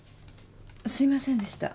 すいませんでした。